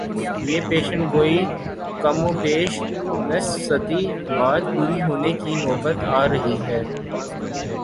یہ پیشگوئی کم و بیش نصف صدی بعد پوری ہونے کی نوبت آ رہی ہے۔